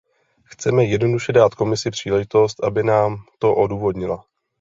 Chceme jednoduše dát Komisi příležitost, aby nám to odůvodnila.